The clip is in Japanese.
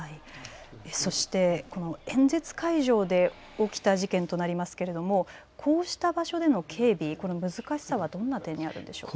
そして、この演説会場で起きた事件となりますけれどもこうした場所での警備、難しさはどんな点にあるんでしょうか。